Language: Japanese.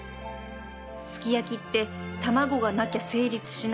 すき焼きって卵がなきゃ成立しない